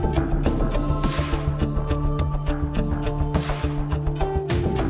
gak enak sama tante rosa